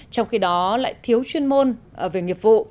trong khi đó lại thiếu chuyên môn về nghiệp vụ